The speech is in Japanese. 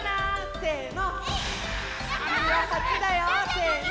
せの！